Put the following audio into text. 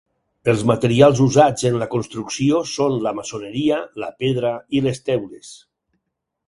Els materials usats en la construcció són la maçoneria, la pedra i les teules.